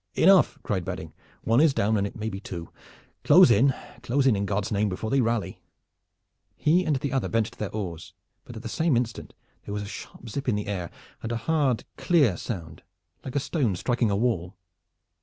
"Enough!" cried Badding. "One is down, and it may be two. Close in, close in, in God's name, before they rally!" He and the other bent to their oars; but at the same instant there was a sharp zip in the air and a hard clear sound like a stone striking a wall.